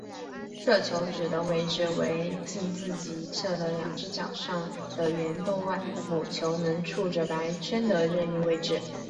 射球子的位置为近自己一侧的两只角上的圆洞外母球能触着白圈的任何位置。